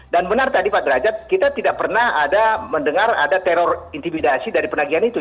dan benar tadi pak derajat kita tidak pernah ada mendengar ada teror intimidasi dari penagihan itu